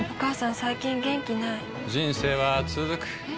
最近元気ない人生はつづくえ？